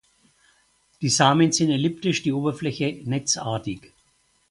Die Samen sind elliptisch, die Oberfläche netzartig.